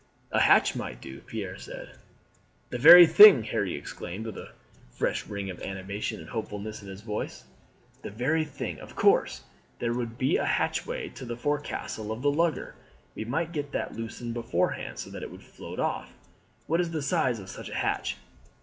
"A hatch might do," Pierre said. "The very thing!" Harry exclaimed with a fresh ring of animation and hopefulness in his voice. "The very thing! Of course there would be a hatchway to the forecastle of the lugger. We might get that loosened beforehand, so that it would float off. What is the size of such a hatch?"